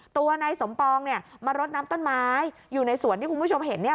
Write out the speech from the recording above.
ตัวนายสมปองเนี่ยมารดน้ำต้นไม้อยู่ในสวนที่คุณผู้ชมเห็นเนี่ย